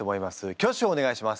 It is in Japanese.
挙手をお願いします。